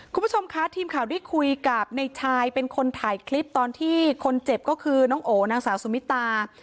คุณผู้ชมคะทีมข่าวได้คุยกับในชายเป็นคนถ่ายคลิปตอนที่คนเจ็บก็คือน้องโอนางสาวสุมิตา